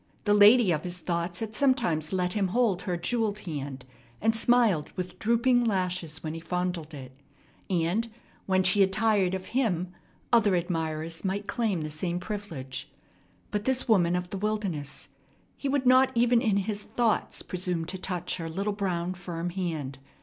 The lady of his thoughts had sometimes let him hold her jewelled hand, and smiled with drooping lashes when he fondled it; and, when she had tired of him, other admirers might claim the same privilege. But this woman of the wilderness he would not even in his thoughts presume to touch her little brown, firm hand.